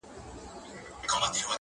• د مېږیانو کور له غمه نه خلاصېږي,,!